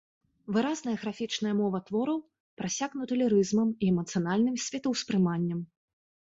Выразная графічная мова твораў прасякнута лірызмам і эмацыянальным светаўспрыманнем.